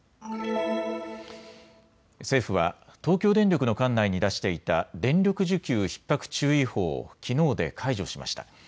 政府は東京電力の管内に出していた電力需給ひっ迫注意報をきのうで解除しました。